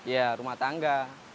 ya rumah tangga